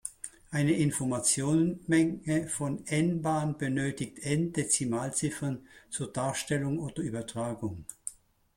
Eine Informationsmenge von "n" ban benötigt "n" Dezimalziffern zur Darstellung oder Übertragung.